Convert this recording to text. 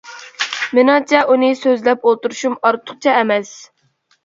مېنىڭچە ئۇنى سۆزلەپ ئولتۇرۇشۇم ئارتۇقچە ئەمەس.